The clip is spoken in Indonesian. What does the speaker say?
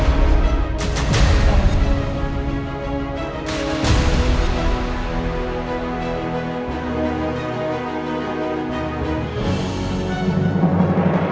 tidak ada apa apa